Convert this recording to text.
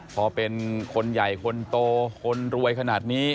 พอเป็นคนใหญ่คนโตคนรวยขนาดนี้